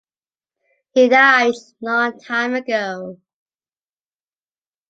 He died a longtime ago.